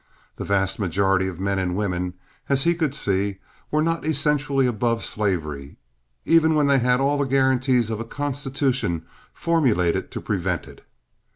The vast majority of men and women, as he could see, were not essentially above slavery, even when they had all the guarantees of a constitution formulated to prevent it.